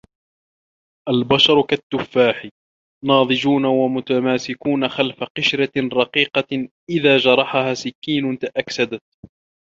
البشر كالتفاح، ناضجون ومتماسكون خلف قشرة رقيقة إذا جرحها سكين تأكسدت.